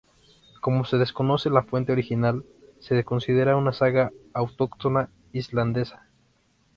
Como se desconoce la fuente original, se considera una saga autóctona islandesa.